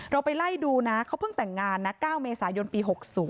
ไปไล่ดูนะเขาเพิ่งแต่งงานนะ๙เมษายนปี๖๐